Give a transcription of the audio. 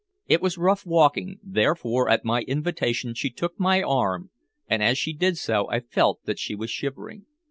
It was rough walking, therefore at my invitation she took my arm, and as she did so I felt that she was shivering.